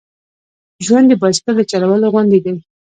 ژوند د بایسکل د چلولو غوندې دی.